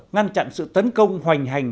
ngăn chặn sự tấn công hoành hành